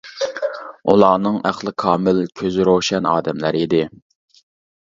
ئۇلارنىڭ ئەقلى كامىل، كۆزى روشەن ئادەملەر ئىدى.